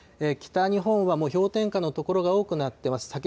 北日本はもう氷点下の所が多くなってます。